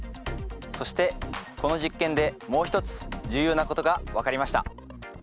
そしてこの実験でもう一つ重要なことが分かりました。